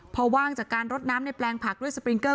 พอว่างจากการรดน้ำในแปลงผักด้วยสปริงเกอร์